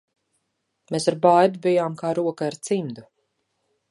Mēs ar Baibu bijām kā roka ar cimdu.